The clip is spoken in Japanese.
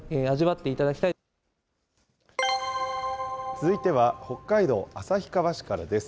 続いては北海道旭川市からです。